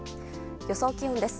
予想気温です。